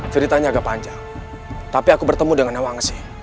ceritanya agak panjang tapi aku bertemu dengan nawang esim